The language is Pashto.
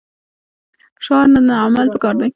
شعار نه عمل پکار دی